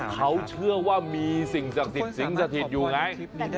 เขาเชื่อว่ามีสิ่งสถิตสิ่งสถิตอยู่ไง